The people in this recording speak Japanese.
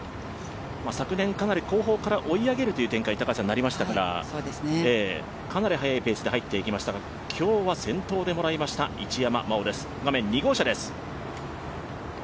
昨年、かなり後方から追い上げる展開となりましたから、かなり速いペースで入っていきましたが、今日は先頭で入っていきました一山です。